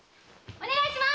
お願いします！